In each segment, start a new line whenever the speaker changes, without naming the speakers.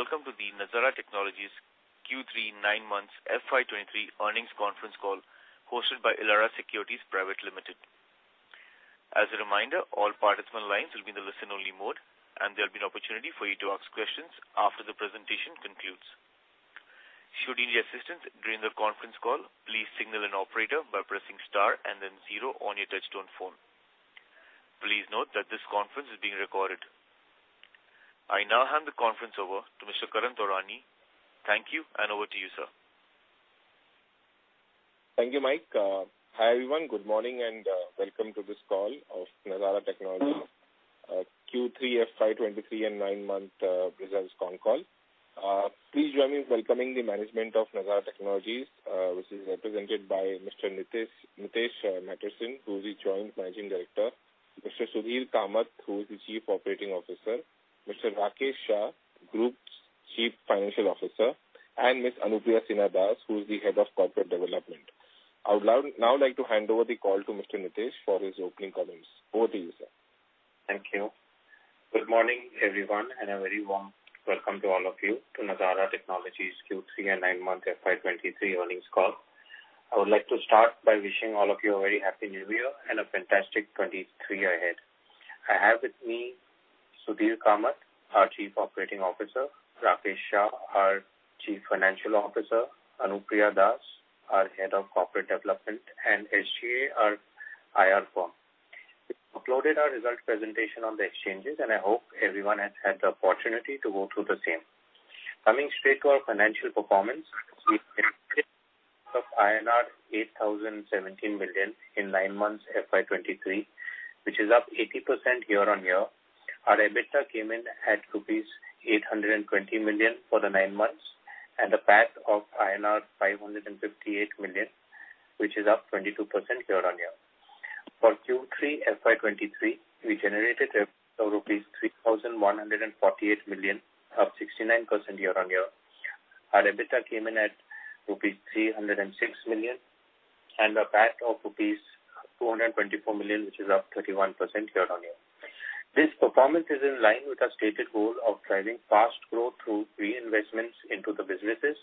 Welcome to the Nazara Technologies Q3 nine months FY 2023 earnings conference call hosted by Elara Securities Private Limited. As a reminder, all participants lines will be in the listen-only mode, and there'll be an opportunity for you to ask questions after the presentation concludes. Should you need assistance during the conference call, please signal an operator by pressing star and then zero on your touchtone phone. Please note that this conference is being recorded. I now hand the conference over to Mr. Karan Taurani. Thank you, and over to you, sir.
Thank you, Mike. Hi, everyone. Good morning, and welcome to this call of Nazara Technologies, Q3 FY 2023 and nine-month results con call. Please join me in welcoming the management of Nazara Technologies, which is represented by Mr. Nitish Mittersain, who is the Joint Managing Director. Mr. Sudhir Kamath, who is the Chief Operating Officer. Mr. Rakesh Shah, Group Chief Financial Officer. And Ms Anupriya Sinha Das, who is the Head of Corporate Development. I would now like to hand over the call to Mr. Nitish for his opening comments. Over to you, sir.
Thank you. Good morning, everyone, and a very warm welcome to all of you to Nazara Technologies Q3 and nine-month FY 2023 earnings call. I would like to start by wishing all of you a very happy New Year and a fantastic 2023 ahead. I have with me Sudhir Kamath, our Chief Operating Officer, Rakesh Shah, our Chief Financial Officer, Anupriya Sinha Das, our Head of Corporate Development, and SGA, our IR firm. We've uploaded our results presentation on the exchanges, and I hope everyone has had the opportunity to go through the same. Coming straight to our financial performance, we of INR 8,017 million in nine months FY 2023, which is up 80% year-on-year. Our EBITDA came in at rupees 820 million for the nine months and a PAT of INR 558 million, which is up 22% year-on-year. For Q3 FY 2023, we generated rupees 3,148 million, up 69% year-on-year. Our EBITDA came in at rupees 306 million and a PAT of rupees 224 million, which is up 31% year-on-year. This performance is in line with our stated goal of driving fast growth through reinvestments into the businesses,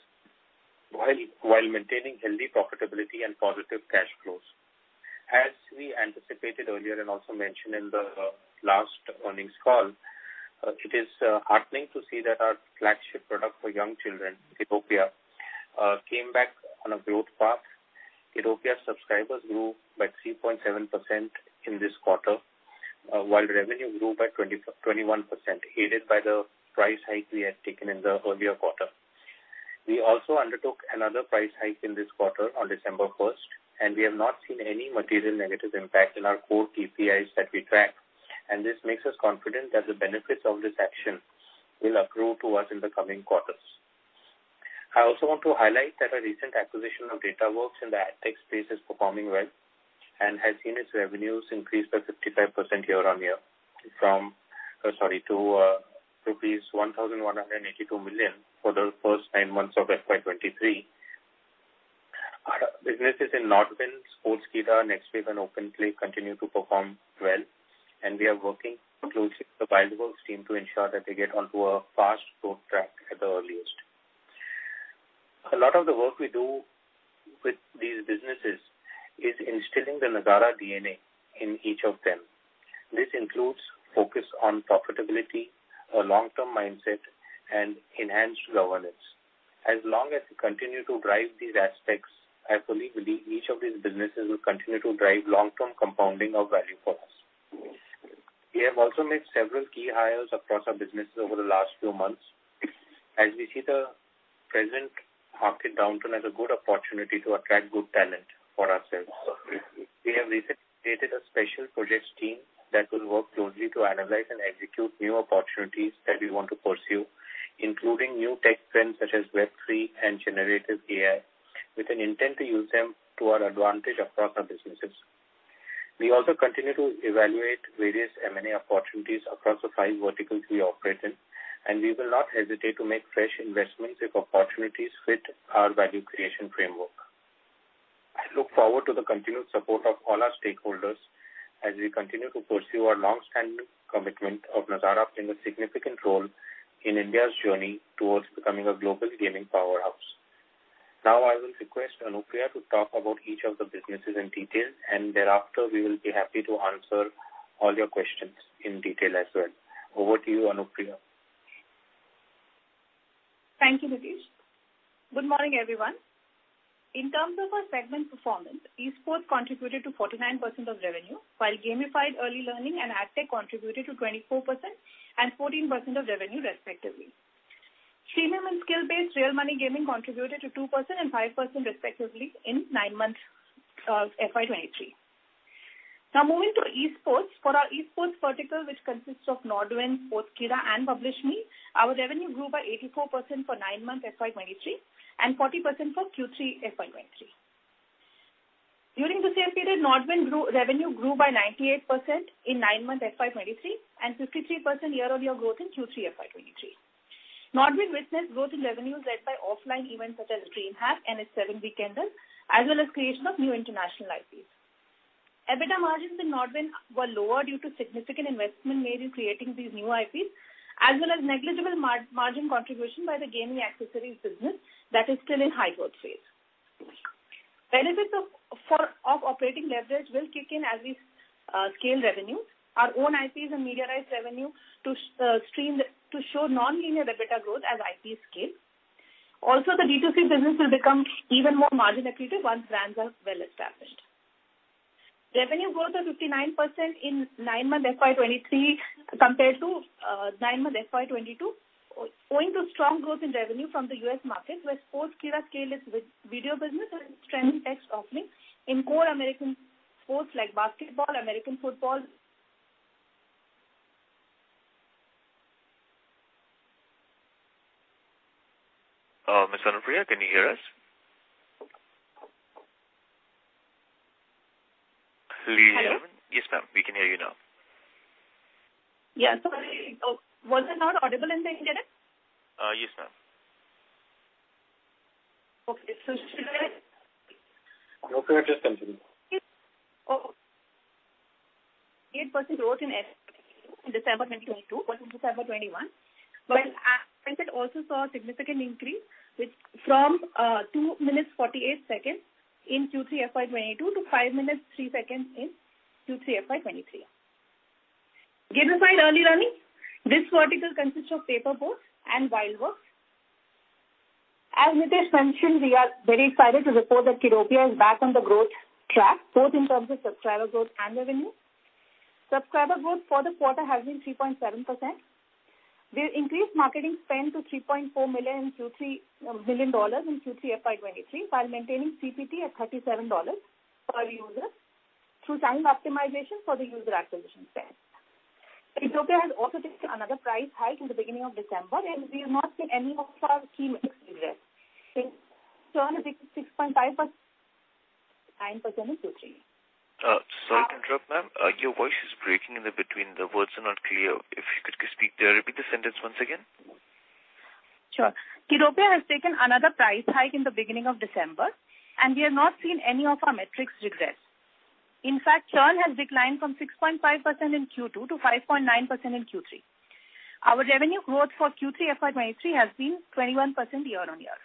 while maintaining healthy profitability and positive cash flows. As we anticipated earlier and also mentioned in the last earnings call, it is heartening to see that our flagship product for young children, Kiddopia, came back on a growth path. Kiddopia subscribers grew by 3.7% in this quarter, while revenue grew by 21%, aided by the price hike we had taken in the earlier quarter. We also undertook another price hike in this quarter on December first, and we have not seen any material negative impact in our core KPIs that we track, and this makes us confident that the benefits of this action will accrue to us in the coming quarters. I also want to highlight that our recent acquisition of Datawrkz in the AdTech space is performing well and has seen its revenues increase by 55% year-on-year to rupees 1,182 million for the first nine months of FY 2023. Our businesses in NODWIN Gaming, Sportskeeda, Nextwave, and OpenPlay continue to perform well, and we are working closely with the Datawrkz team to ensure that they get onto a fast growth track at the earliest. A lot of the work we do with these businesses is instilling the Nazara DNA in each of them. This includes focus on profitability, a long-term mindset, and enhanced governance. As long as we continue to drive these aspects, I firmly believe each of these businesses will continue to drive long-term compounding of value for us. We have also made several key hires across our businesses over the last few months, as we see the present market downturn as a good opportunity to attract good talent for ourselves. We have recently created a special projects team that will work closely to analyze and execute new opportunities that we want to pursue, including new tech trends such as Web3 and generative AI, with an intent to use them to our advantage across our businesses. We also continue to evaluate various M&A opportunities across the five verticals we operate in, and we will not hesitate to make fresh investments if opportunities fit our value creation framework. I look forward to the continued support of all our stakeholders as we continue to pursue our long-standing commitment of Nazara playing a significant role in India's journey towards becoming a global gaming powerhouse. Now I will request Anupriya to talk about each of the businesses in detail, and thereafter, we will be happy to answer all your questions in detail as well. Over to you, Anupriya.
Thank you, Nitish. Good morning, everyone. In terms of our segment performance, esports contributed to 49% of revenue, while gamified early learning and AdTech contributed to 24% and 14% of revenue, respectively. Premium and skill-based real money gaming contributed to 2% and 5%, respectively, in nine-month FY 2023. Now moving to esports. For our esports vertical, which consists of NODWIN, Sportskeeda, and PublishME, our revenue grew by 84% for nine-month FY 2023 and 40% for Q3 FY 2023. During the same period, NODWIN grew. Revenue grew by 98% in nine-month FY 2023 and 53% year-on-year growth in Q3 FY 2023. NODWIN witnessed growth in revenue led by offline events such as DreamHack and NH7 Weekender, as well as creation of new international IPs. EBITDA margins in NODWIN were lower due to significant investment made in creating these new IPs, as well as negligible margin contribution by the gaming accessories business that is still in high growth phase. Benefits of operating leverage will kick in as we scale revenue. Our own IPs and media rights revenue to stream to show non-linear EBITDA growth as IP scale. Also, the B2C business will become even more margin accretive once brands are well established. Revenue growth of 59% in nine-month FY 2023 compared to nine-month FY 2022, owing to strong growth in revenue from the US market, where Sportskeeda's video business and trending text offerings in core American sports like basketball, American football-
Miss Anupriya, can you hear us?
Hello.
Yes, ma'am, we can hear you now.
Yeah. So was I not audible in the beginning?
Yes, ma'am.
Okay. So should I-
No, go ahead, just continue.
8% growth in December 2022 versus December 2021, while average also saw a significant increase from 2 minutes 48 seconds in Q3 FY 2022 to 5 minutes 3 seconds in Q3 FY 2023. Gamified Early Learning, this vertical consists of Paper Boat and WildWorks. As Nitish mentioned, we are very excited to report that Kiddopia is back on the growth track, both in terms of subscriber growth and revenue. Subscriber growth for the quarter has been 3.7%. We increased marketing spend to $3.4 million in Q3 FY 2023, while maintaining CPT at $37 per user through time optimization for the user acquisition spend. Kiddopia has also taken another price hike in the beginning of December, and we have not seen any of our key metrics regress. In turn, it has been 6.5%, 9% in Q3.
Sorry to interrupt, ma'am. Your voice is breaking in the between. The words are not clear. If you could speak, repeat the sentence once again.
Sure. Kiddopia has taken another price hike in the beginning of December, and we have not seen any of our metrics regress. In fact, churn has declined from 6.5% in Q2 to 5.9% in Q3. Our revenue growth for Q3 FY 2023 has been 21% year-on-year.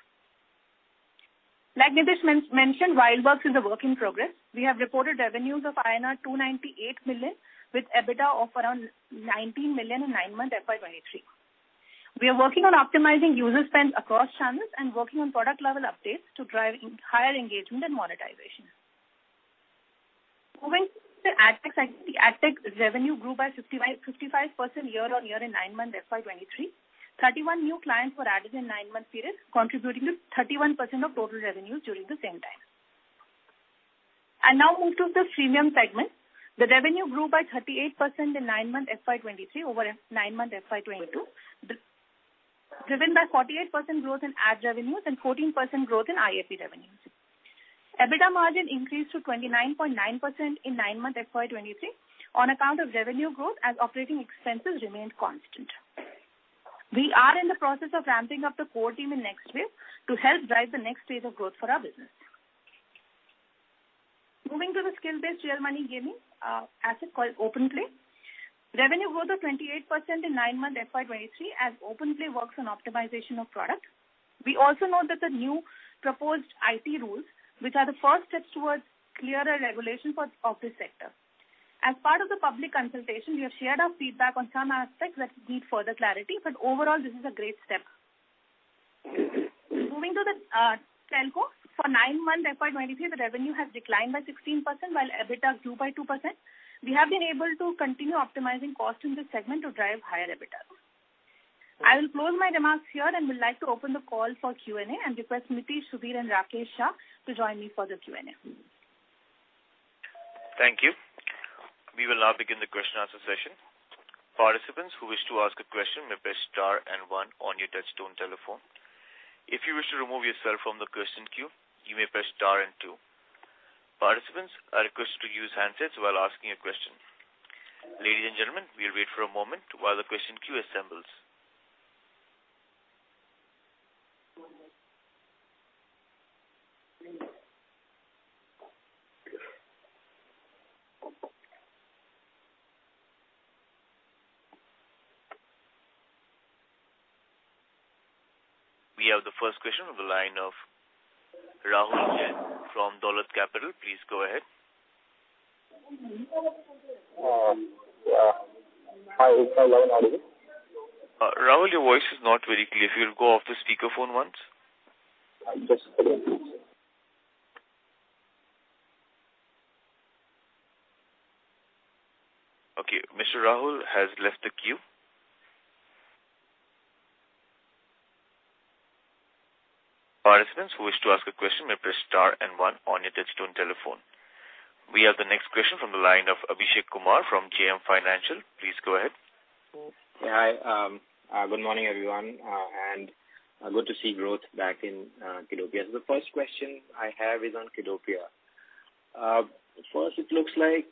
Like Nitish mentioned, WildWorks is a work in progress. We have reported revenues of INR 298 million, with EBITDA of around 19 million in nine-month FY 2023. We are working on optimizing user spend across channels and working on product level updates to drive higher engagement and monetization. Moving to the AdTech segment, the AdTech revenue grew by 55% year-on-year in nine-month FY 2023. 31 new clients were added in nine-month period, contributing to 31% of total revenues during the same time. I now move to the Premium segment. The revenue grew by 38% in nine-month FY 2023 over nine-month FY 2022, driven by 48% growth in ad revenues and 14% growth in IAP revenues. EBITDA margin increased to 29.9% in nine-month FY 2023 on account of revenue growth as operating expenses remained constant. We are in the process of ramping up the core team in Nextwave to help drive the next phase of growth for our business. Moving to the skill-based real money gaming asset called OpenPlay. Revenue growth of 28% in nine-month FY 2023, as OpenPlay works on optimization of products. We also note that the new proposed IT rules, which are the first steps towards clearer regulation of this sector. As part of the public consultation, we have shared our feedback on some aspects that need further clarity, but overall, this is a great step. Moving to the Telco. For nine-month FY 2023, the revenue has declined by 16%, while EBITDA grew by 2%. We have been able to continue optimizing costs in this segment to drive higher EBITDA. I will close my remarks here and would like to open the call for Q&A and request Nitish, Sudhir, and Rakesh Shah to join me for the Q&A.
Thank you. We will now begin the question and answer session. Participants who wish to ask a question may press star and one on your touchtone telephone. If you wish to remove yourself from the question queue, you may press star and two. Participants are requested to use handsets while asking a question. Ladies and gentlemen, we'll wait for a moment while the question queue assembles. We have the first question on the line of Rahul Jain from Dolat Capital. Please go ahead.
Hi, it's Rahul Jain.
Rahul, your voice is not very clear. If you'll go off the speaker phone once.
I'm just
Okay. Mr. Rahul has left the queue. Participants who wish to ask a question may press star and one on your touchtone telephone. We have the next question from the line of Abhishek Kumar from JM Financial. Please go ahead.
Yeah, hi. Good morning, everyone, and good to see growth back in Kiddopia. The first question I have is on Kiddopia. First, it looks like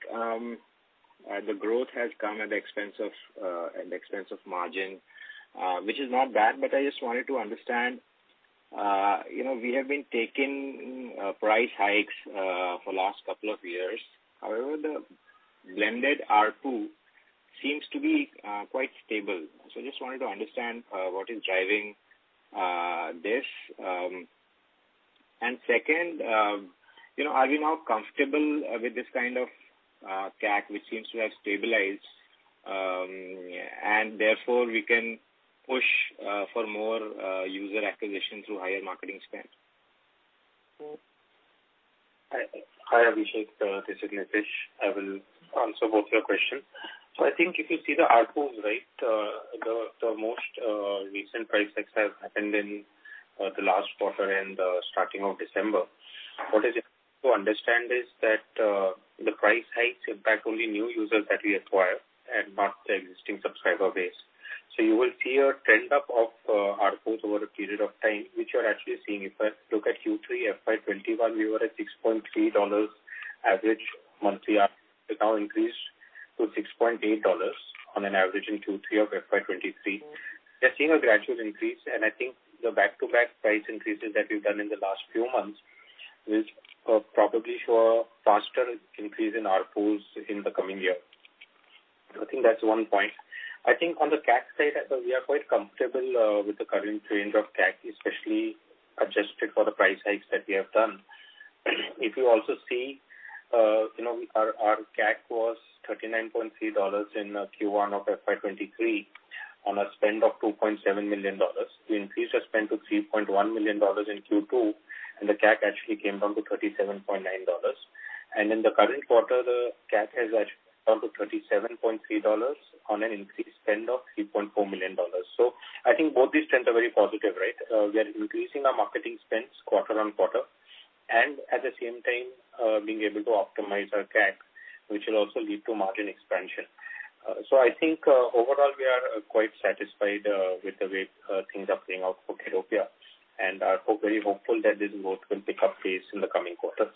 the growth has come at the expense of margin, which is not bad, but I just wanted to understand—you know, we have been taking price hikes for last couple of years. However, the blended ARPU seems to be quite stable. So just wanted to understand what is driving this. And second, you know, are you now comfortable with this kind of CAC, which seems to have stabilized, and therefore we can push for more user acquisition through higher marketing spend?
Hi, Abhishek. This is Nitish. I will answer both your questions. So I think if you see the ARPUs, right, the most recent price hikes have happened in the last quarter and the starting of December. What is important to understand is that the price hikes impact only new users that we acquire and not the existing subscriber base. So you will see a trend up of ARPUs over a period of time, which you are actually seeing. If I look at Q3 FY 2021, we were at $6.3 average monthly ARPU, which now increased to $6.8 on an average in Q3 of FY 2023. We're seeing a gradual increase, and I think the back-to-back price increases that we've done in the last few months will, probably show a faster increase in ARPUs in the coming year. I think that's one point. I think on the CAC side, we are quite comfortable, with the current range of CAC, especially adjusted for the price hikes that we have done. If you also see, you know, our, our CAC was $39.3 in Q1 of FY 2023 on a spend of $2.7 million. We increased our spend to $3.1 million in Q2, and the CAC actually came down to $37.9. And in the current quarter, the CAC has actually come to $37.3 on an increased spend of $3.4 million. So I think both these trends are very positive, right? We are increasing our marketing spends quarter on quarter, and at the same time, being able to optimize our CAC, which will also lead to margin expansion. So I think, overall, we are quite satisfied, with the way, things are playing out for Kiddopia, and are very hopeful that this growth will pick up pace in the coming quarters.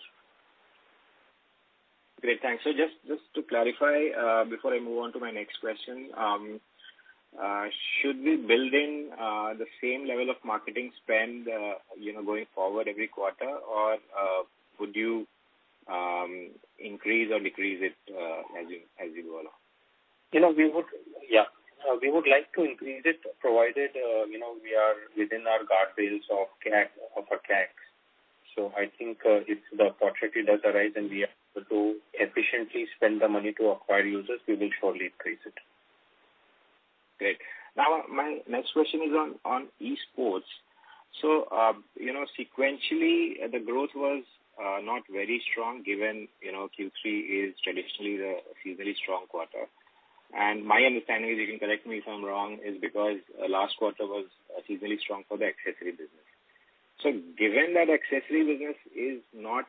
Great, thanks. So just to clarify, before I move on to my next question, should we building the same level of marketing spend, you know, going forward every quarter? Or would you increase or decrease it as you go along?
You know, we would like to increase it, provided, you know, we are within our guardrails of CAC, upper CACs. So I think, if the opportunity does arise and we are able to efficiently spend the money to acquire users, we will surely increase it.
Great. Now, my next question is on esports. So, you know, sequentially, the growth was not very strong, given, you know, Q3 is traditionally a seasonally strong quarter. And my understanding is, you can correct me if I'm wrong, is because last quarter was seasonally strong for the accessory business. So given that accessory business is not,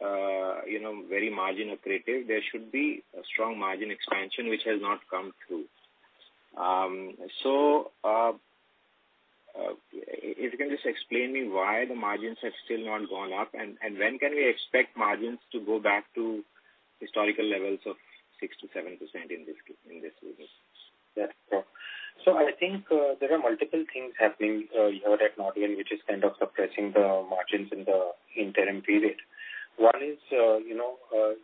you know, very margin accretive, there should be a strong margin expansion, which has not come through. So, if you can just explain me why the margins have still not gone up, and when can we expect margins to go back to historical levels of 6%-7% in this business?
Yeah. So I think, there are multiple things happening, here at NODWIN, which is kind of suppressing the margins in the interim period. One is, you know,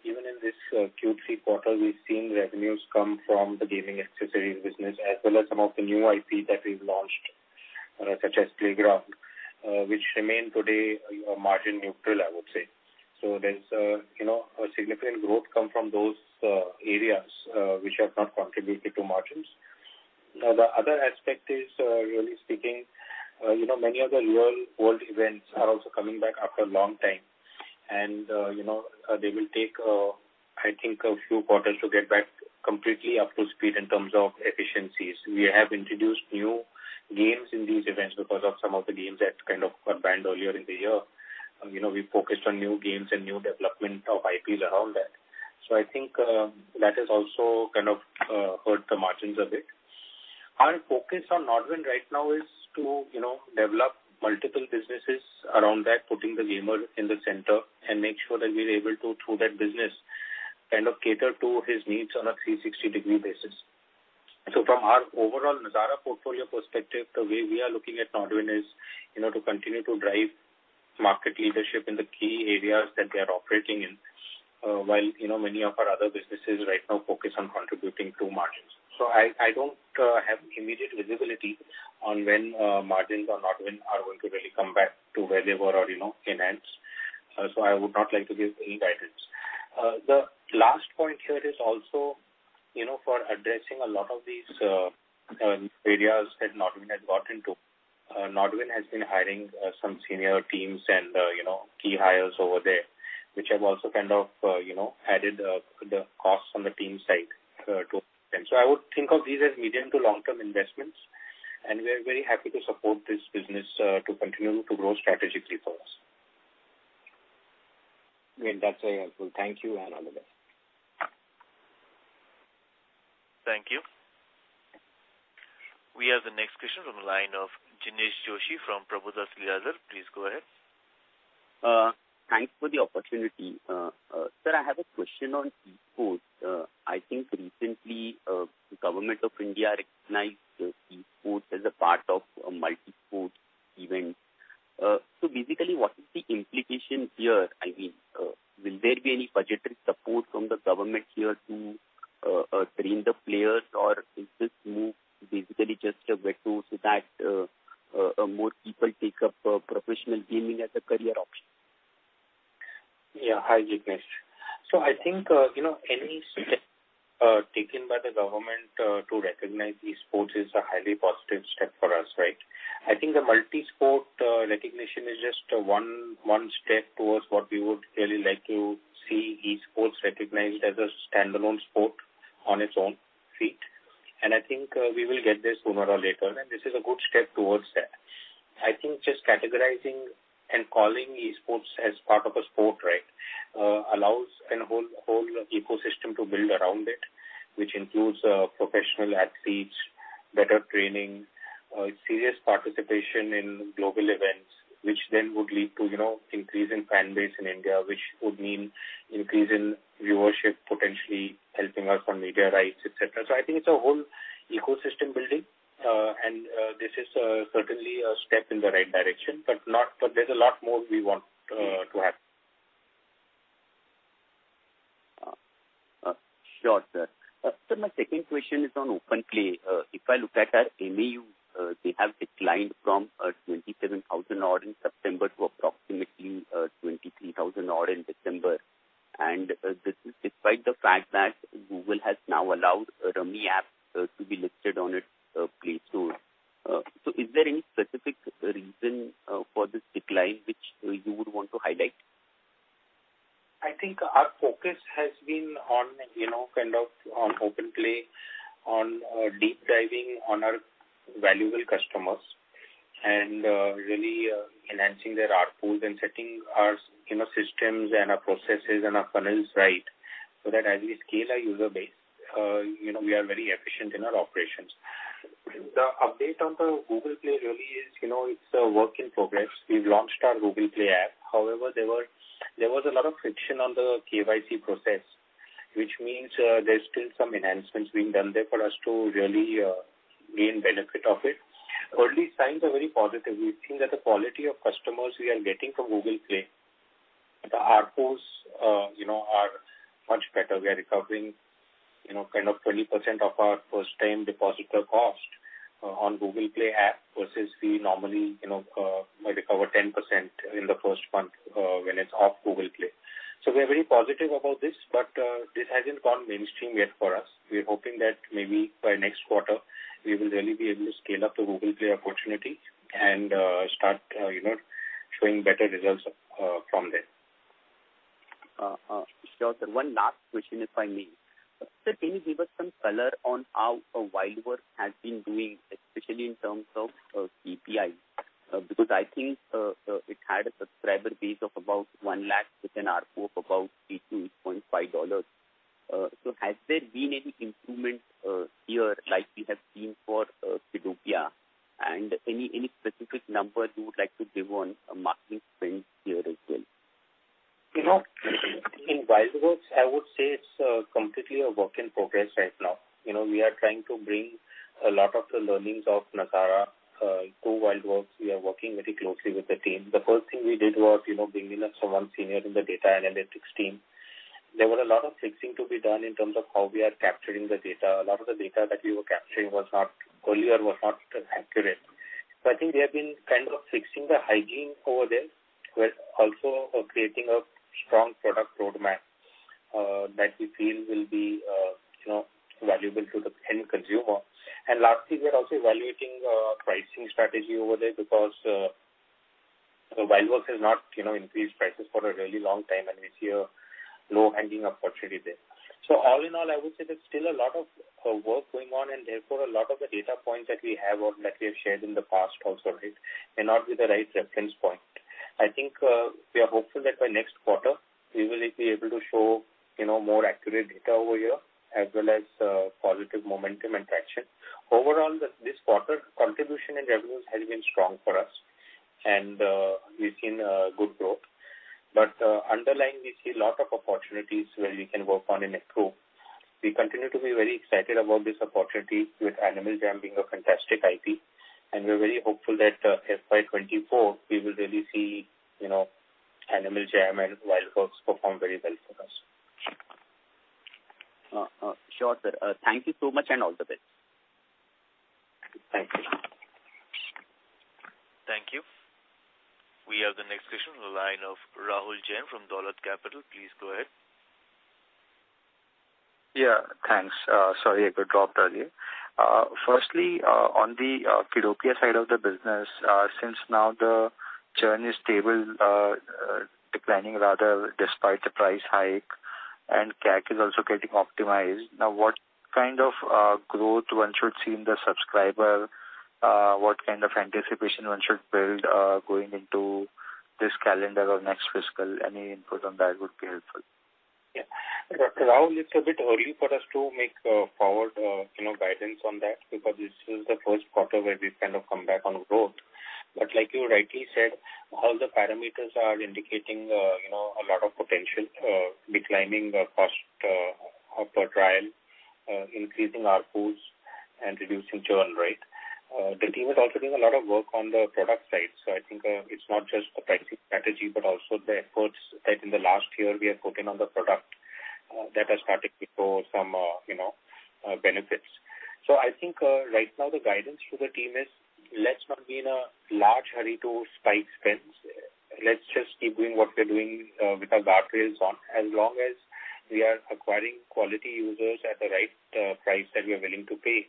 even in this, Q3 quarter, we've seen revenues come from the gaming accessories business, as well as some of the new IP that we've launched, such as Playground, which remain today, margin neutral, I would say. So there's, you know, a significant growth come from those, areas, which have not contributed to margins. Now, the other aspect is, really speaking, you know, many of the real-world events are also coming back after a long time. And, you know, they will take, I think, a few quarters to get back completely up to speed in terms of efficiencies. We have introduced new games in these events because of some of the games that kind of got banned earlier in the year. You know, we focused on new games and new development of IPs around that. So I think, that has also kind of, hurt the margins a bit. Our focus on NODWIN right now is to, you know, develop multiple businesses around that, putting the gamer in the center and make sure that we're able to, through that business, kind of cater to his needs on a 360-degree basis. So from our overall Nazara portfolio perspective, the way we are looking at NODWIN is, you know, to continue to drive market leadership in the key areas that we are operating in, while, you know, many of our other businesses right now focus on contributing to margins. So I don't have immediate visibility on when margins on NODWIN are going to really come back to where they were or, you know, enhance. So I would not like to give any guidance. The last point here is also, you know, for addressing a lot of these areas that NODWIN has got into. NODWIN has been hiring some senior teams and, you know, key hires over there, which have also kind of, you know, added the costs on the team side to them. So I would think of these as medium to long-term investments, and we are very happy to support this business to continue to grow strategically for us.
Great, that's very helpful. Thank you and all the best.
Thank you. We have the next question from the line of Jinesh Joshi from Prabhudas Lilladher. Please go ahead....
Thanks for the opportunity. Sir, I have a question on sports. I think recently, the government of India recognized the esports as a part of a multi-sport event. So basically, what is the implication here? I mean, will there be any budgetary support from the government here to train the players, or is this move basically just a veto so that more people take up professional gaming as a career option?
Yeah. Hi, Jinesh. So I think you know any step taken by the government to recognize esports is a highly positive step for us, right? I think the multi-sport recognition is just one step towards what we would really like to see esports recognized as a standalone sport on its own feet. And I think we will get this sooner or later, and this is a good step towards that. I think just categorizing and calling esports as part of a sport, right, allows a whole ecosystem to build around it, which includes professional athletes, better training, serious participation in global events, which then would lead to, you know, increase in fan base in India, which would mean increase in viewership, potentially helping us on media rights, et cetera. So I think it's a whole ecosystem building, and this is certainly a step in the right direction, but there's a lot more we want to happen.
Sure, sir. So my second question is on OpenPlay. If I look at our MAU, they have declined from 27,000 odd in September to approximately 23,000 odd in December, and this is despite the fact that Google has now allowed a Rummy app to be listed on its Play Store. So is there any specific reason for this decline which you would want to highlight?
I think our focus has been on, you know, kind of, on OpenPlay, on, deep diving on our valuable customers and, really, enhancing their ARPU and setting our, you know, systems and our processes and our funnels right, so that as we scale our user base, you know, we are very efficient in our operations. The update on the Google Play really is, you know, it's a work in progress. We've launched our Google Play app. However, there was a lot of friction on the KYC process, which means, there's still some enhancements being done there for us to really, gain benefit of it. Early signs are very positive. We think that the quality of customers we are getting from Google Play, the ARPUs, you know, are much better. We are recovering, you know, kind of 20% of our first-time depositor cost on Google Play app versus we normally, you know, might recover 10% in the first month when it's off Google Play. So we are very positive about this, but this hasn't gone mainstream yet for us. We're hoping that maybe by next quarter, we will really be able to scale up the Google Play opportunity and start, you know, showing better results from there.
Sure, sir. One last question, if I may. Sir, can you give us some color on how WildWorks has been doing, especially in terms of CPI? Because I think it had a subscriber base of about 100,000 with an ARPU of about $8-$8.5. So has there been any improvement here, like we have seen for Kiddopia? And any specific numbers you would like to give on marketing spend here as well?
You know, in WildWorks, I would say it's completely a work in progress right now. You know, we are trying to bring a lot of the learnings of Nazara to WildWorks. We are working very closely with the team. The first thing we did was, you know, bringing in someone senior in the data analytics team. There were a lot of fixing to be done in terms of how we are capturing the data. A lot of the data that we were capturing was not, earlier, was not accurate. So I think we have been kind of fixing the hygiene over there, but also creating a strong product roadmap that we feel will be, you know, valuable to the end consumer. Lastly, we are also evaluating pricing strategy over there because WildWorks has not, you know, increased prices for a really long time, and we see a low-hanging opportunity there. So all in all, I would say there's still a lot of work going on, and therefore, a lot of the data points that we have or that we have shared in the past also, right, may not be the right reference point. I think we are hopeful that by next quarter, we will be able to show, you know, more accurate data over here, as well as positive momentum and traction. Overall, this quarter, contribution and revenues has been strong for us, and we've seen good growth. But underlying, we see a lot of opportunities where we can work on in a group. We continue to be very excited about this opportunity, with Animal Jam being a fantastic IP, and we're very hopeful that, FY 2024, we will really see, you know, Animal Jam and WildWorks perform very well for us.
Sure, sir. Thank you so much, and all the best.
Thank you.
Thank you. We have the next question in the line of Rahul Jain from Dolat Capital. Please go ahead.
Yeah, thanks. Sorry, I got dropped earlier. Firstly, on the Kiddopia side of the business, since now the churn is stable, declining rather, despite the price hike and CAC is also getting optimized, now, what kind of growth one should see in the subscriber? What kind of anticipation one should build, going into this calendar or next fiscal? Any input on that would be helpful.
Yeah. But Rahul, it's a bit early for us to make forward, you know, guidance on that, because this is the first quarter where we've kind of come back on road. But like you rightly said, all the parameters are indicating, you know, a lot of potential, declining the cost per trial, increasing our pools, and reducing churn rate. The team is also doing a lot of work on the product side. So I think, it's not just a pricing strategy, but also the efforts that in the last year we have put in on the product, that has started to show some, you know, benefits. So I think, right now the guidance to the team is, let's not be in a large hurry to spike spends. Let's just keep doing what we're doing with our guard rails on. As long as we are acquiring quality users at the right price that we are willing to pay,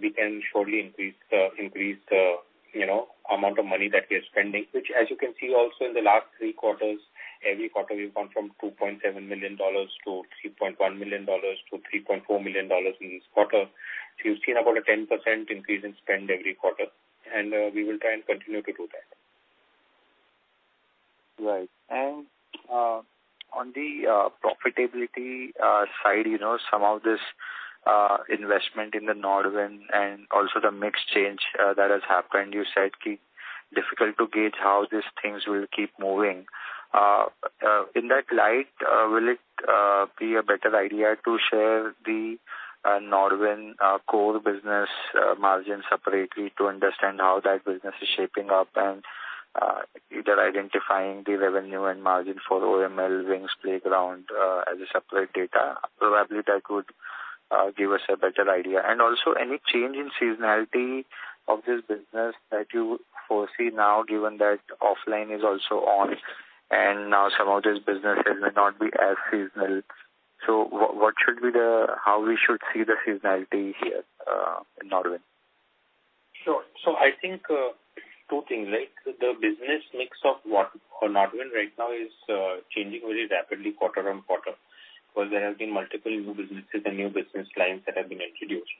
we can surely increase the, increase the, you know, amount of money that we are spending. Which, as you can see also in the last three quarters, every quarter we've gone from $2.7 million to $3.1 million to $3.4 million in this quarter. So you've seen about a 10% increase in spend every quarter, and we will try and continue to do that.
Right. And, on the profitability side, you know, some of this investment in the NODWIN and also the mix change that has happened, you said, difficult to gauge how these things will keep moving. In that light, will it be a better idea to share the NODWIN core business margin separately to understand how that business is shaping up, and either identifying the revenue and margin for OML, Wings, Playground, as a separate data? Probably that could give us a better idea. And also, any change in seasonality of this business that you foresee now, given that offline is also on, and now some of these businesses may not be as seasonal. So what should be the—how we should see the seasonality here in NODWIN?
Sure. So I think, two things, right? The business mix of what for NODWIN right now is, changing very rapidly quarter-on-quarter, because there have been multiple new businesses and new business lines that have been introduced.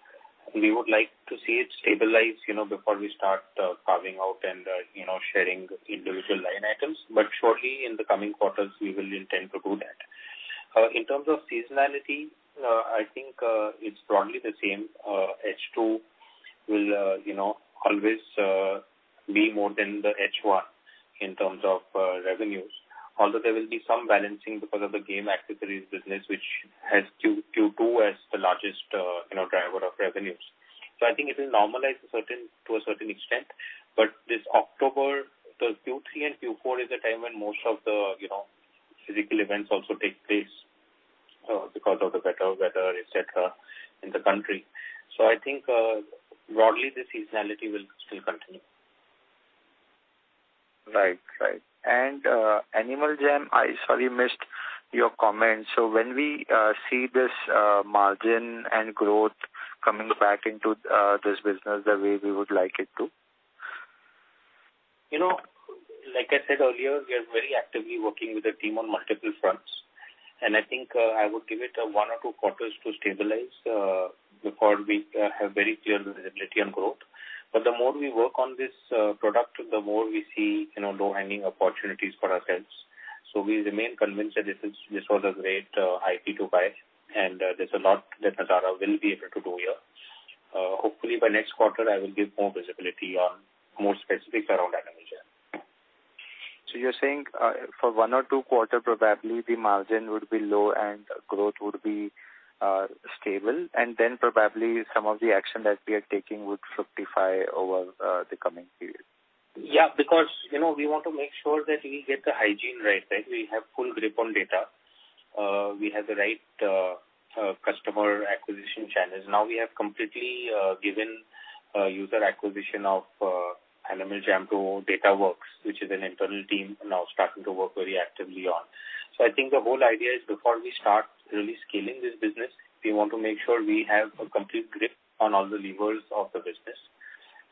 We would like to see it stabilize, you know, before we start, carving out and, you know, sharing individual line items, but shortly in the coming quarters, we will intend to do that. In terms of seasonality, I think, it's broadly the same. H2 will, you know, always, be more than the H1 in terms of, revenues. Although there will be some balancing because of the game accessories business, which has Q2 as the largest, you know, driver of revenues. So I think it will normalize to a certain extent, but this October, the Q3 and Q4 is a time when most of the, you know, physical events also take place, because of the better weather, et cetera, in the country. So I think, broadly, the seasonality will still continue.
Right. Right. And, Animal Jam, I'm sorry, missed your comment. So when we see this margin and growth coming back into this business the way we would like it to?
You know, like I said earlier, we are very actively working with a team on multiple fronts, and I think, I would give it one or two quarters to stabilize before we have very clear visibility on growth. But the more we work on this product, the more we see, you know, low-hanging opportunities for ourselves. So we remain convinced that this is-- this was a great IP to buy, and there's a lot that Nazara will be able to do here. Hopefully by next quarter, I will give more visibility on more specifics around Animal Jam.
You're saying, for 1 or 2 quarter, probably the margin would be low and growth would be stable, and then probably some of the action that we are taking would fructify over the coming period?
Yeah, because, you know, we want to make sure that we get the hygiene right, that we have full grip on data, we have the right customer acquisition channels. Now we have completely given user acquisition of Animal Jam to Datawrkz, which is an internal team now starting to work very actively on. So I think the whole idea is before we start really scaling this business, we want to make sure we have a complete grip on all the levers of the business,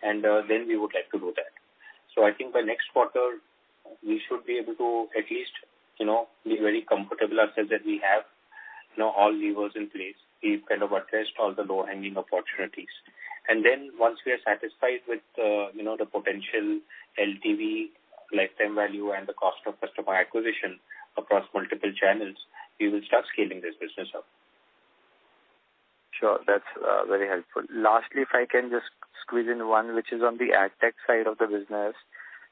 and then we would like to do that. So I think by next quarter, we should be able to at least, you know, be very comfortable ourselves that we have, you know, all levers in place. We've kind of addressed all the low-hanging opportunities. And then once we are satisfied with the, you know, the potential LTV, lifetime value, and the cost of customer acquisition across multiple channels, we will start scaling this business up.
Sure. That's very helpful. Lastly, if I can just squeeze in one, which is on the AdTech side of the business.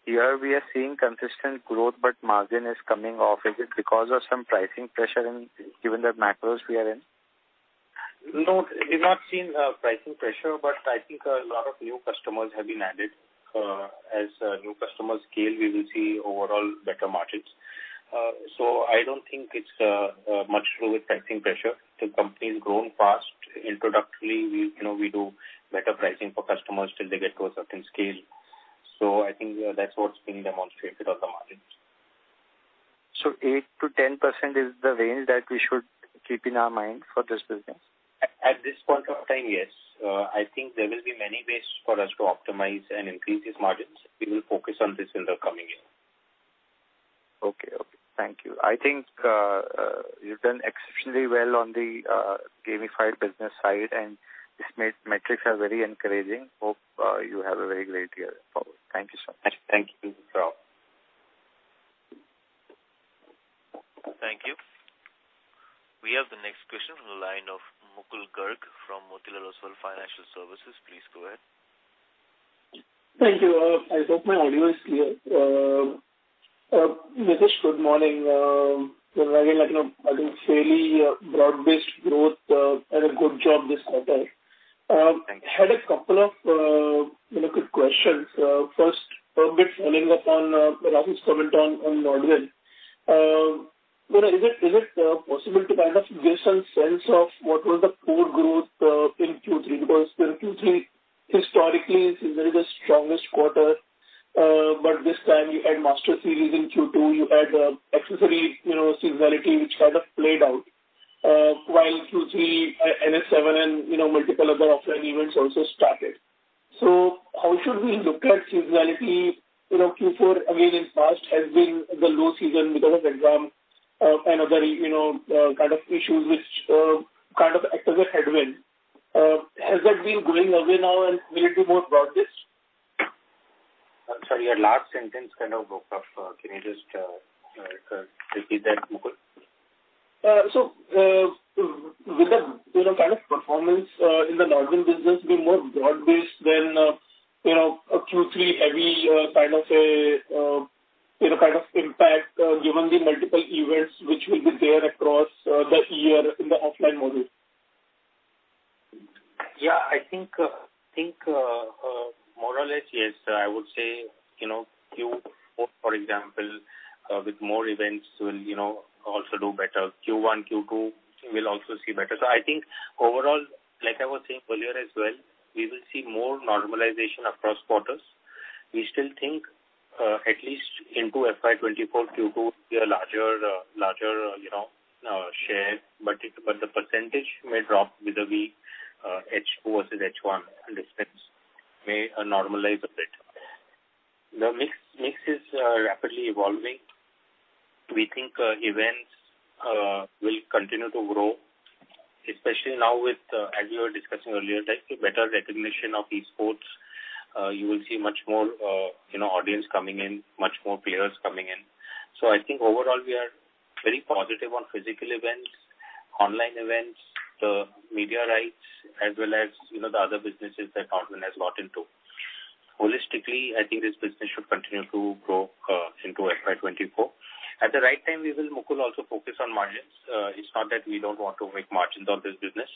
Here we are seeing consistent growth, but margin is coming off. Is it because of some pricing pressure and given the macros we are in?
No, we've not seen pricing pressure, but I think a lot of new customers have been added. As new customers scale, we will see overall better margins. So I don't think it's much to do with pricing pressure. The company's grown fast. Introductorily, we, you know, we do better pricing for customers till they get to a certain scale. So I think that's what's being demonstrated on the margins.
8%-10% is the range that we should keep in our mind for this business?
At this point of time, yes. I think there will be many ways for us to optimize and increase these margins. We will focus on this in the coming year.
Okay. Okay, thank you. I think, you've done exceptionally well on the, gamified business side, and this metrics are very encouraging. Hope, you have a very great year forward. Thank you so much.
Thank you, Rahul.
Thank you. We have the next question on the line of Mukul Garg from Motilal Oswal Financial Services. Please go ahead.
Thank you. I hope my audio is clear. Nitish, good morning. Again, like, you know, I think fairly, broad-based growth, and a good job this quarter. Had a couple of, you know, quick questions. First, a bit following up on, Rahul's comment on, on NODWIN. You know, is it, is it, possible to kind of give some sense of what was the core growth, in Q3? Because, Q3 historically is usually the strongest quarter, but this time you had Master Series in Q2, you had, accessory, you know, seasonality, which kind of played out, while Q3, NH7 and, you know, multiple other offline events also started. So how should we look at seasonality? You know, Q4, again, in the past, has been the low season because of exams, and other, you know, kind of issues which, kind of act as a headwind. Has that been going away now, and will it be more broad-based?
Sorry, your last sentence kind of broke off. Can you just repeat that, Mukul?
So, with the, you know, kind of performance in the NODWIN business, be more broad-based than, you know, a Q3 heavy kind of a kind of impact, given the multiple events which will be there across the year in the offline model?
Yeah, I think, I think, more or less, yes. I would say, you know, Q4, for example, with more events will, you know, also do better. Q1, Q2 will also see better. So I think overall, like I was saying earlier as well, we will see more normalization across quarters. We still think, at least into FY 2024, Q2 will be a larger, larger, you know, share, but it, but the percentage may drop with the H2 versus H1, and the spends may normalize a bit. The mix, mix is rapidly evolving. We think, events will continue to grow, especially now with, as we were discussing earlier, there's a better recognition of esports. You will see much more, you know, audience coming in, much more players coming in. So I think overall, we are very positive on physical events, online events, the media rights, as well as, you know, the other businesses that NODWIN has got into. Holistically, I think this business should continue to grow into FY 2024. At the right time, we will, Mukul, also focus on margins. It's not that we don't want to make margins on this business,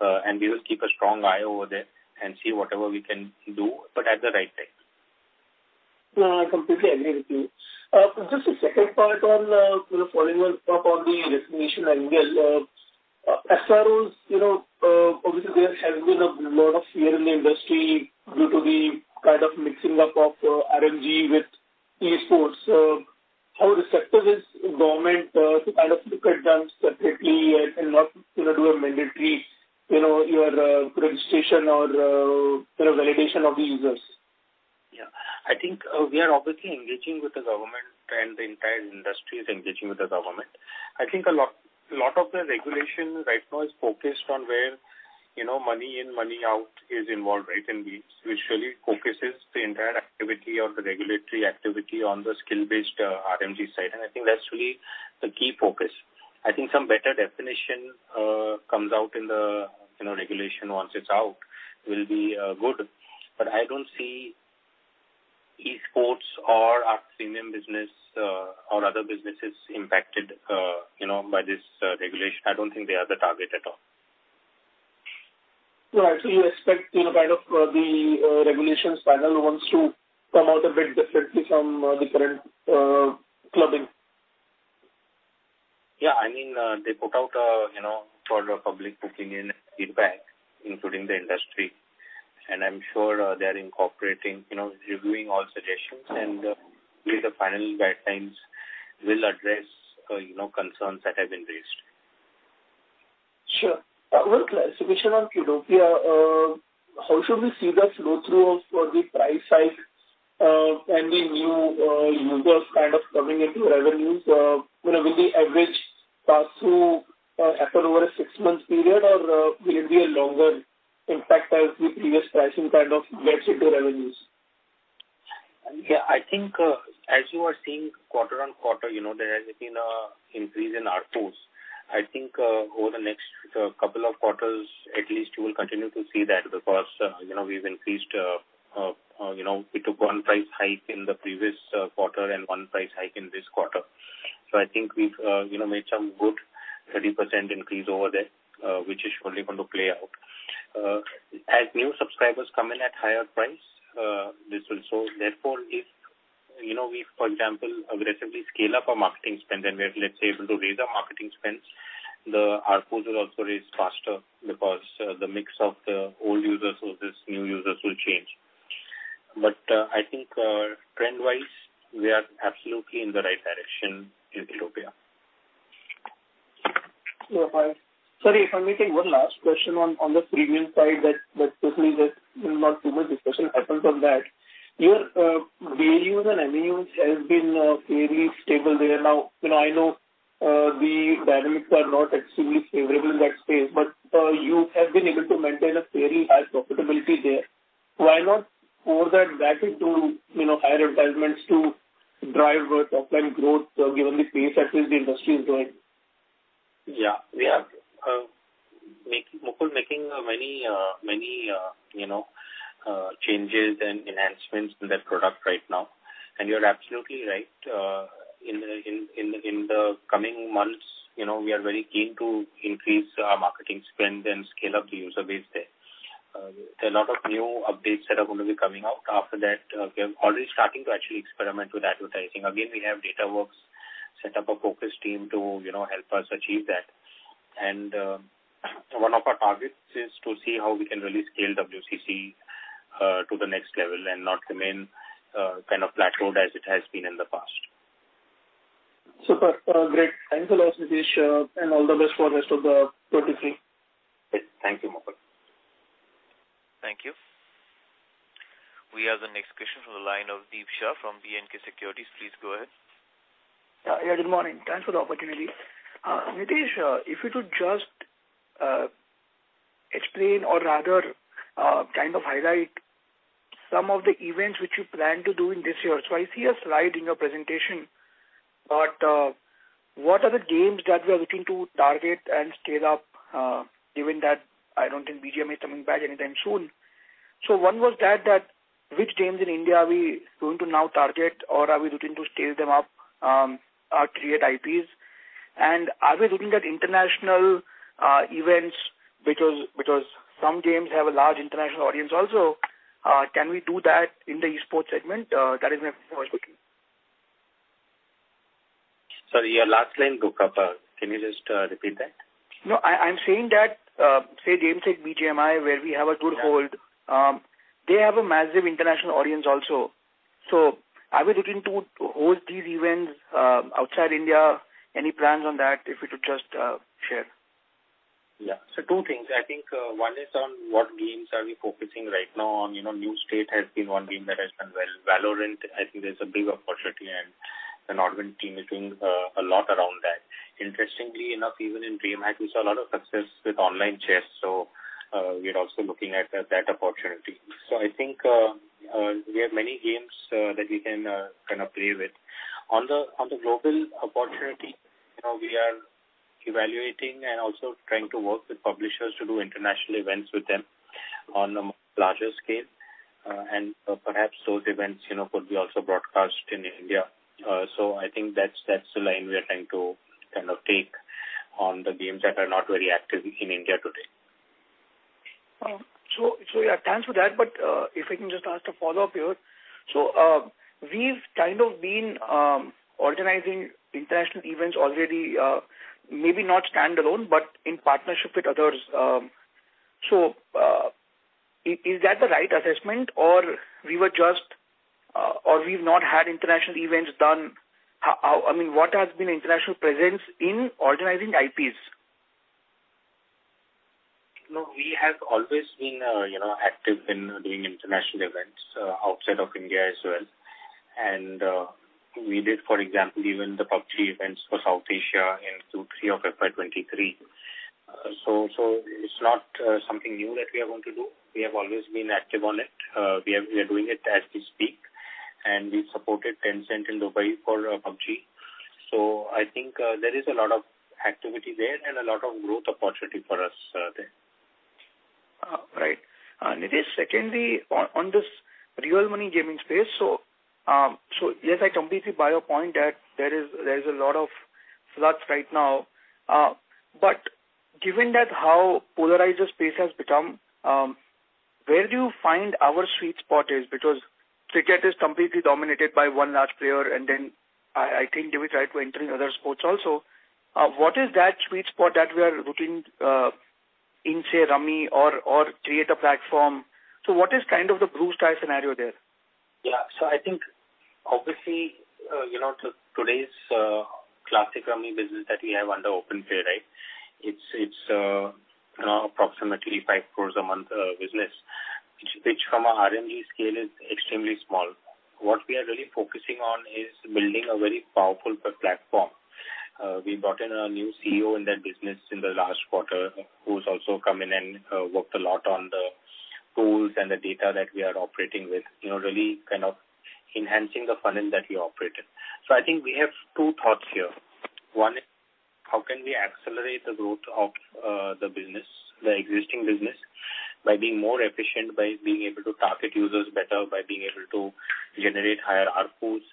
and we will keep a strong eye over there and see whatever we can do, but at the right time.
No, I completely agree with you. Just a second part on, you know, following up on the recognition angle. SROs, you know, obviously there has been a lot of fear in the industry due to the kind of mixing up of RMG with esports. How receptive is government to kind of look at them separately and not, you know, do a mandatory, you know, your registration or, you know, validation of the users?
Yeah. I think, we are obviously engaging with the government and the entire industry is engaging with the government. I think a lot, a lot of the regulation right now is focused on where, you know, money in, money out is involved, right? And we usually focuses the entire activity or the regulatory activity on the skill-based, RMG side, and I think that's really the key focus. I think some better definition, comes out in the, you know, regulation once it's out, will be, good. But I don't see esports or our premium business, or other businesses impacted, you know, by this, regulation. I don't think they are the target at all.
Right. So you expect, you know, kind of, the regulations panel wants to come out a bit differently from the current clubbing?
Yeah. I mean, they put out a, you know, call to the public, looking for feedback, including the industry, and I'm sure they are incorporating, you know, reviewing all suggestions and, with the final guidelines, will address, you know, concerns that have been raised.
Sure. One clarification on Kiddopia. How should we see the flow-through of the price hike and the new users kind of coming into revenues? You know, will the average pass-through happen over a six-month period, or will it be a longer impact as the previous pricing kind of gets into revenues?
Yeah, I think, as you are seeing quarter-on-quarter, you know, there has been a increase in ARPUs. I think, over the next, couple of quarters, at least you will continue to see that because, you know, we've increased, you know, we took one price hike in the previous, quarter and one price hike in this quarter. So I think we've, you know, made some good 30% increase over there, which is surely going to play out. As new subscribers come in at higher price, this will. Therefore, if, you know, we, for example, aggressively scale up our marketing spend, and we're, let's say, able to raise our marketing spends, the ARPU will also raise faster because, the mix of the old users versus new users will change. But, I think, trend-wise, we are absolutely in the right direction in Kiddopia.
Yeah, fine. Sorry, if I may take one last question on the premium side, that certainly there's not too much discussion happened on that. Your values and MAUs has been fairly stable there. Now, you know, I know the dynamics are not extremely favorable in that space, but you have been able to maintain a very high profitability there. Why not pour that back into, you know, higher advancements to drive growth, offline growth, given the pace at which the industry is growing?
Yeah, we are making many, many, you know, changes and enhancements in that product right now. And you're absolutely right. In the coming months, you know, we are very keen to increase our marketing spend and scale up the user base there. There are a lot of new updates that are going to be coming out after that. We are already starting to actually experiment with advertising. Again, we have Datawrkz set up a focus team to, you know, help us achieve that. And one of our targets is to see how we can really scale WCC to the next level and not remain kind of plateaued as it has been in the past.
Super. Great. Thanks a lot, Nitish, and all the best for the rest of 2023.
Thank you, Mukul.
Thank you. We have the next question from the line of Deep Shah from B&K Securities. Please go ahead.
Yeah, good morning. Thanks for the opportunity. Nitish, if you could just explain or rather kind of highlight some of the events which you plan to do in this year. So I see a slide in your presentation, but what are the games that we are looking to target and scale up, given that I don't think BGMI is coming back anytime soon. So one was that, that which games in India are we going to now target, or are we looking to scale them up, or create IPs? And are we looking at international events? Because some games have a large international audience also. Can we do that in the esports segment? That is my first question.
Sorry, your last line broke up. Can you just repeat that?
No, I, I'm saying that, say games like BGMI, where we have a good hold, they have a massive international audience also. So are we looking to host these events, outside India? Any plans on that, if you could just, share?
Yeah. So two things. I think, one is on what games are we focusing right now on, you know, New State has been one game that has done well. Valorant, I think there's a big opportunity, and the NODWIN team is doing, a lot around that. Interestingly enough, even in DreamHack, we saw a lot of success with online chess, so, we're also looking at that opportunity. So I think, we have many games, that we can, kind of play with. On the global opportunity, you know, we are evaluating and also trying to work with publishers to do international events with them on a larger scale. And perhaps those events, you know, could be also broadcast in India. So I think that's, that's the line we are trying to kind of take on the games that are not very active in India today.
So, so yeah, thanks for that. But, if I can just ask a follow-up here. So, we've kind of been organizing international events already, maybe not standalone, but in partnership with others. So, is that the right assessment, or we were just, or we've not had international events done? How... I mean, what has been international presence in organizing IPs?
No, we have always been, you know, active in doing international events outside of India as well. We did, for example, even the PUBG events for South Asia in Q3 of FY 2023. So, it's not something new that we are going to do. We have always been active on it. We are doing it as we speak, and we supported Tencent in Dubai for PUBG. So I think, there is a lot of activity there and a lot of growth opportunity for us, there.
Right. And Nitish, secondly, on this real money gaming space, so yes, I completely buy your point that there is a lot of flux right now. But given that how polarized the space has become, where do you find our sweet spot is? Because cricket is completely dominated by one large player, and then I think they will try to enter in other sports also. What is that sweet spot that we are looking in, say, Rummy or create a platform? So what is kind of the blue sky scenario there?
Yeah. So I think obviously, you know, today's classic Rummy business that we have under OpenPlay, right? It's, you know, approximately 5 crore a month business, which from a RMG scale is extremely small. What we are really focusing on is building a very powerful platform. We brought in a new CEO in that business in the last quarter, who's also come in and worked a lot on the tools and the data that we are operating with, you know, really kind of enhancing the funnel that we operate in. So I think we have two thoughts here. One is: How can we accelerate the growth of, the business, the existing business, by being more efficient, by being able to target users better, by being able to generate higher ARPOs,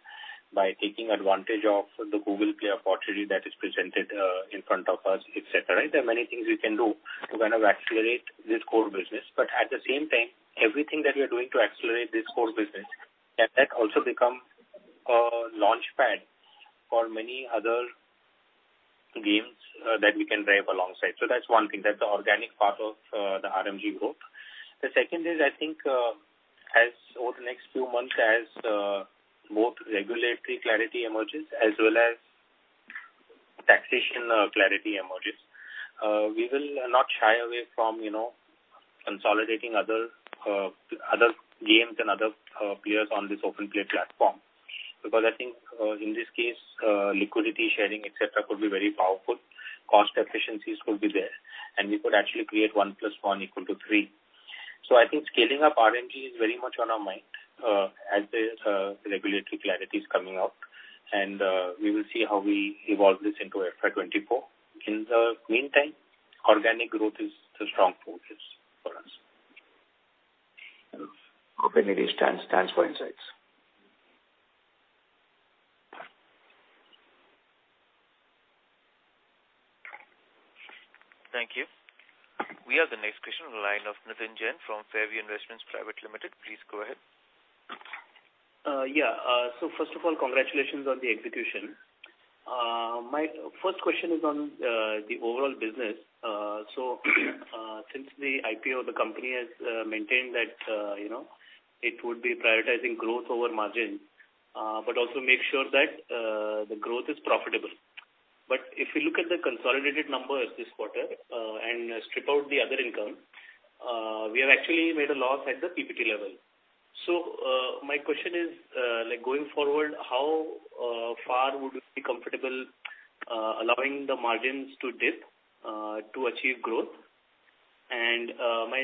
by taking advantage of the Google Play opportunity that is presented, in front of us, et cetera, right? There are many things we can do to kind of accelerate this core business. But at the same time, everything that we are doing to accelerate this core business, can that also become a launchpad for many other games, that we can drive alongside? So that's one thing. That's the organic part of, the RMG growth. The second is, I think, as over the next few months, as, both regulatory clarity emerges, as well as taxation clarity emerges. We will not shy away from, you know, consolidating other other games and other players on this OpenPlay platform. Because I think, in this case, liquidity sharing, et cetera, could be very powerful. Cost efficiencies could be there, and we could actually create 1+1=3. So I think scaling up RMG is very much on our mind, as this regulatory clarity is coming out, and we will see how we evolve this into FY 2024. In the meantime, organic growth is the strong focus for us. Hope it stands for insights.
Thank you. We have the next question on the line of Nitin Jain from Fairview Investments Private Limited. Please go ahead.
Yeah. So first of all, congratulations on the execution. My first question is on the overall business. So since the IPO, the company has maintained that, you know, it would be prioritizing growth over margin, but also make sure that the growth is profitable. But if you look at the consolidated numbers this quarter, and strip out the other income, we have actually made a loss at the PBT level. So my question is, like, going forward, how far would you be comfortable allowing the margins to dip to achieve growth? And my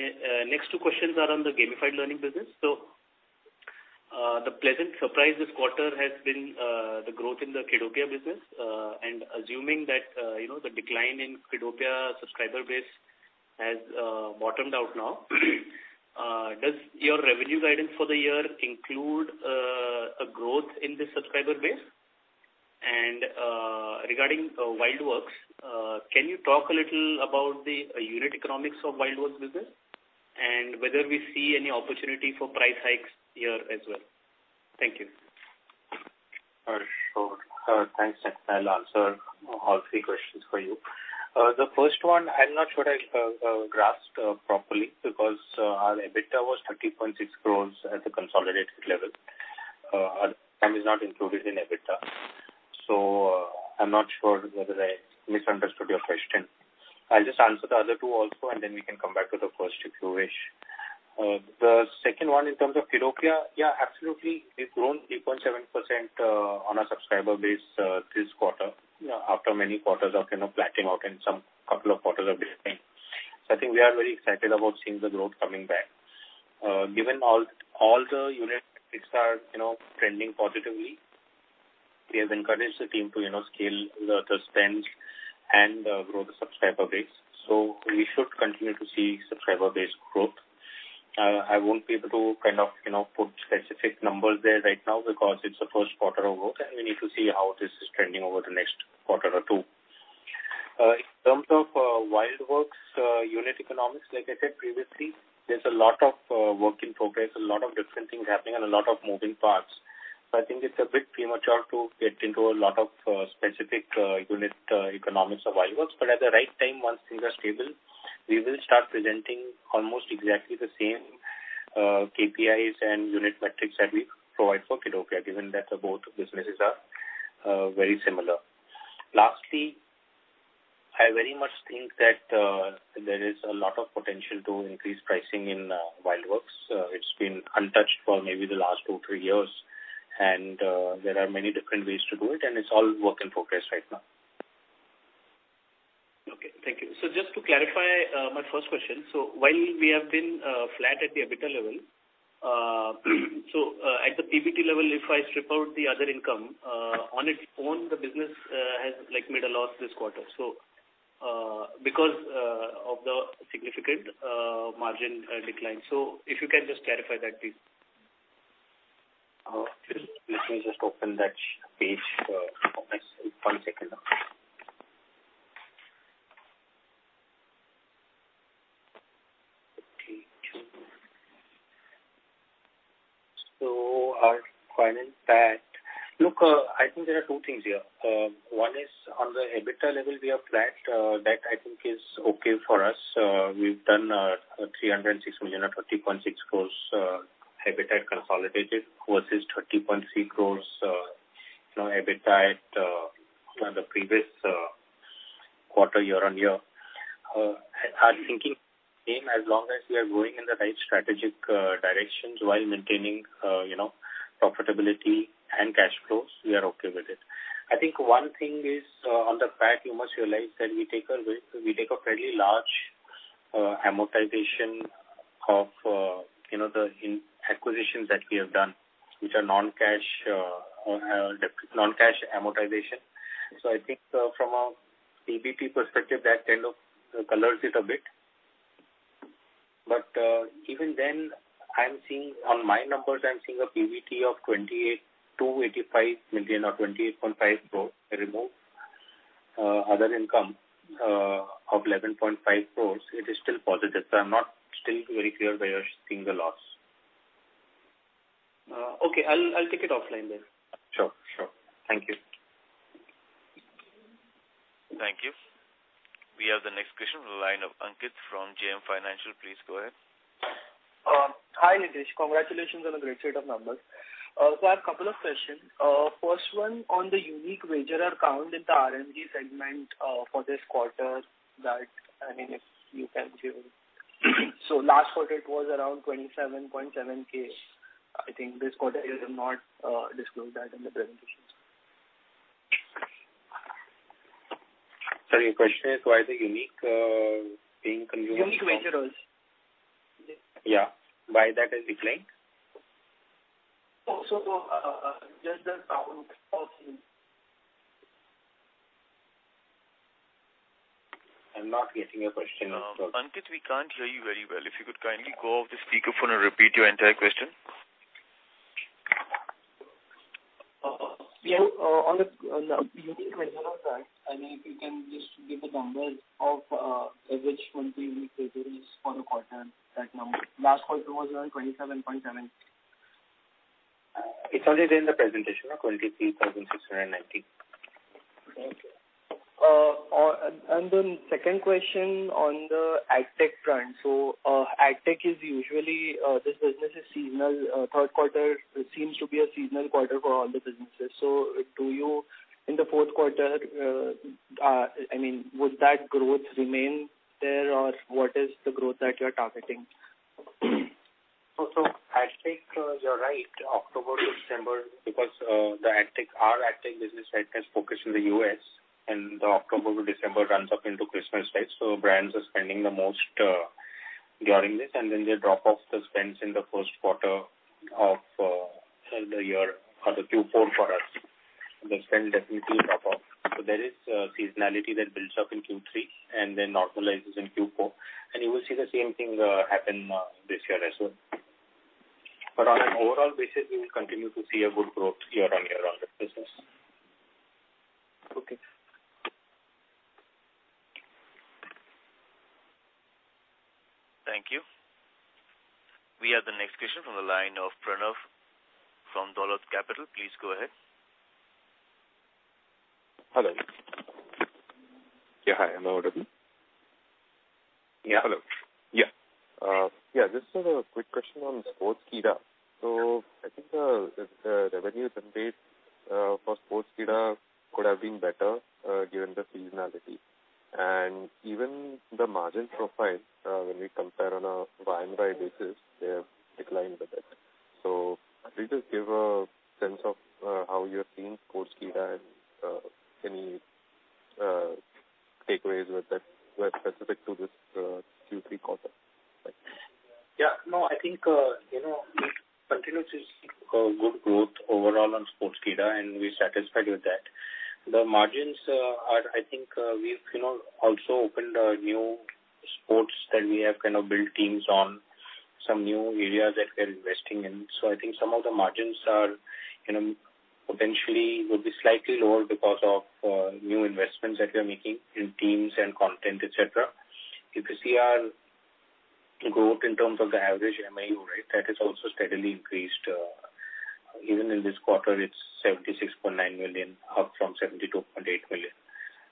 next two questions are on the gamified learning business. So the pleasant surprise this quarter has been the growth in the Kiddopia business. Assuming that, you know, the decline in Kiddopia subscriber base has bottomed out now, does your revenue guidance for the year include a growth in the subscriber base? And regarding WildWorks, can you talk a little about the unit economics of WildWorks business? And whether we see any opportunity for price hikes here as well. Thank you.
Sure. Thanks, Nitin. I'll answer all three questions for you. The first one, I'm not sure I grasped properly, because our EBITDA was 30.6 crore at the consolidated level. And is not included in EBITDA. So, I'm not sure whether I misunderstood your question. I'll just answer the other two also, and then we can come back to the first, if you wish. The second one, in terms of Kiddopia, yeah, absolutely, we've grown 3.7% on our subscriber base this quarter, after many quarters of, you know, flattening out and some couple of quarters of decline. So I think we are very excited about seeing the growth coming back. Given all the unit metrics are, you know, trending positively, we have encouraged the team to, you know, scale the spend and grow the subscriber base. So we should continue to see subscriber base growth. I won't be able to kind of, you know, put specific numbers there right now because it's the first quarter over, and we need to see how this is trending over the next quarter or two. In terms of WildWorks unit economics, like I said previously, there's a lot of work in progress, a lot of different things happening and a lot of moving parts. So I think it's a bit premature to get into a lot of specific unit economics of WildWorks. But at the right time, once things are stable, we will start presenting almost exactly the same KPIs and unit metrics that we provide for Kiddopia, given that both businesses are very similar. Lastly, I very much think that there is a lot of potential to increase pricing in WildWorks. It's been untouched for maybe the last two, three years. And there are many different ways to do it, and it's all work in progress right now.
Okay, thank you. So just to clarify, my first question: so while we have been flat at the EBITDA level, so at the PBT level, if I strip out the other income, on its own, the business has, like, made a loss this quarter, so because of the significant margin decline. So if you can just clarify that, please.
Let me just open that page, one second. So our financials that... Look, I think there are two things here. One is on the EBITDA level, we are flat. That I think is okay for us. We've done 306 million or 30.6 crores EBITDA consolidated, versus 30.6 crores you know EBITDA on the previous quarter, year-on-year. Our thinking same, as long as we are going in the right strategic directions while maintaining you know profitability and cash flows, we are okay with it. I think one thing is on the fact, you must realize that we take a fairly large amortization of you know the acquisitions that we have done, which are non-cash amortization. So I think, from a PBT perspective, that kind of colors it a bit. But, even then, I'm seeing, on my numbers, I'm seeing a PBT of 285 million or 28.5 crores; remove other income of 11.5 crores, it is still positive. So I'm not still very clear where you're seeing the loss.
Okay, I'll take it offline then.
Sure. Sure. Thank you.
Thank you. We have the next question from the line of Ankit from JM Financial. Please go ahead.
Hi, Nitish. Congratulations on a great set of numbers. So I have a couple of questions. First one on the unique wagerer count in the RMG segment, for this quarter, that, I mean, if you can give. Last quarter, it was around 27,700. I think this quarter you have not disclosed that in the presentations.
Sorry, your question is, why is the unique thing coming from-
Unique wagerers.
Yeah. Why that is declining?
Just the count of it.
I'm not getting your question.
Ankit, we can't hear you very well. If you could kindly go off the speakerphone and repeat your entire question.
Yeah, on the unique wagerer side, I mean, if you can just give the numbers of average monthly unique wagerers for the quarter, that number. Last quarter was around 27.7.
It's already in the presentation, 23,690.
Okay. And then second question on the AdTech front. So, AdTech is usually, this business is seasonal. Third quarter seems to be a seasonal quarter for all the businesses. So do you... In the fourth quarter, I mean, would that growth remain there, or what is the growth that you're targeting?
So, AdTech, you're right, October, December, because the AdTech, our AdTech business, right, has focused in the U.S., and October to December runs up into Christmas Day. So brands are spending the most during this, and then they drop off the spends in the first quarter of the year or the Q4 for us. The spend definitely drop off. So there is seasonality that builds up in Q3 and then normalizes in Q4. And you will see the same thing happen this year as well. But on an overall basis, we will continue to see a good growth year-on-year on the business.
Okay.
Thank you. We have the next question from the line of Pranav from Dolat Capital. Please go ahead.
Hello. Yeah, hi, am I audible?
Yeah.
Hello.
Yeah.
Yeah, just a quick question on Sportskeeda. So I think the revenue template for Sportskeeda could have been better, given the seasonality. And even the margin profile, when we compare on a year-over-year basis, they have declined a bit. So could you just give a sense of how you're seeing Sportskeeda and any takeaways with that were specific to this Q3 quarter?
Yeah. No, I think, you know, we continue to see good growth overall on Sportskeeda, and we're satisfied with that. The margins are... I think, we've, you know, also opened new sports, and we have kind of built teams on some new areas that we are investing in. So I think some of the margins are, you know, potentially will be slightly lower because of new investments that we are making in teams and content, et cetera. You can see our growth in terms of the average MAU rate, that has also steadily increased, even in this quarter, it's 76.9 million, up from 72.8 million.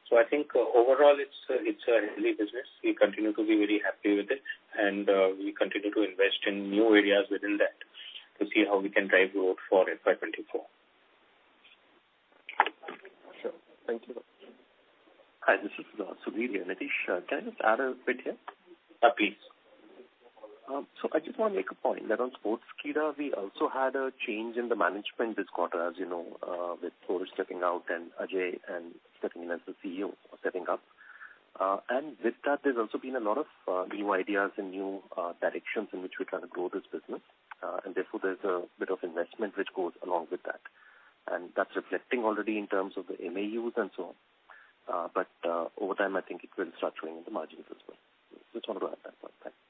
So, I think overall, it's a, it's a healthy business. We continue to be very happy with it, and we continue to invest in new areas within that to see how we can drive growth for FY 2024.
Sure. Thank you.
Hi, this is Sudhir here. Nitish, can I just add a bit here?
Uh, please.
So I just want to make a point that on Sportskeeda, we also had a change in the management this quarter, as you know, with Porush stepping out and Ajay stepping in as the CEO, stepping up. And with that, there's also been a lot of new ideas and new directions in which we're trying to grow this business. And therefore, there's a bit of investment which goes along with that, and that's reflecting already in terms of the MAUs and so on. But over time, I think it will start showing in the margins as well. Just wanted to add that point. Thanks.
Thanks.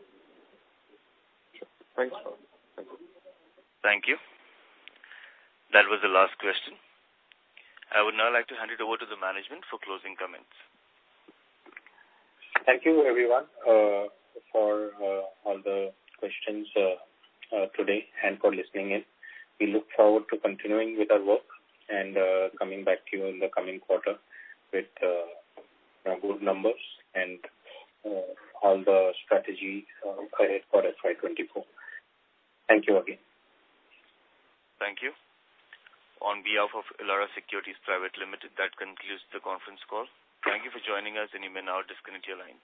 Thank you. That was the last question. I would now like to hand it over to the management for closing comments.
Thank you, everyone, for all the questions today and for listening in. We look forward to continuing with our work and coming back to you in the coming quarter with good numbers and all the strategies ahead for FY 2024. Thank you again.
Thank you. On behalf of Elara Securities Private Limited, that concludes the conference call. Thank you for joining us, and you may now disconnect your lines.